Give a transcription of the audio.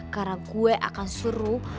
karena gue akan suruh